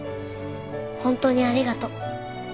本当にありがとう。